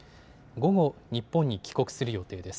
午後、日本に帰国する予定です。